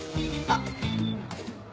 あっ。